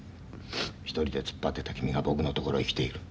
一人で突っ張ってた君が僕のところへ来ている。